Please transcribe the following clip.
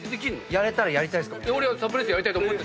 やれたらやりたいですか？